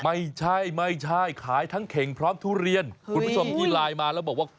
ไม่ใช่ไม่ใช่ขายทั้งเข่งพร้อมทุเรียนคุณผู้ชมที่ไลน์มาแล้วบอกว่า